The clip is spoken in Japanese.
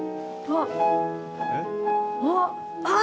あっ。